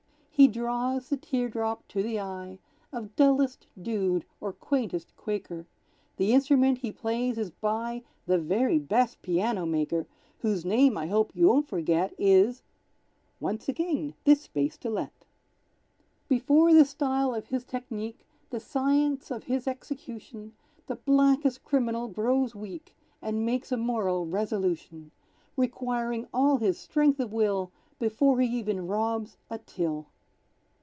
He draws the tear drop to the eye Of dullest dude or quaintest Quaker; The instrument he plays is by The very best piano maker, Whose name, I hope you won't forget, Is (Once again, this space To Let.) [Illustration: "On concert platforms he performs."] Before the style of his technique, The science of his execution, The blackest criminal grows weak And makes a moral resolution; Requiring all his strength of will Before he even robs a till.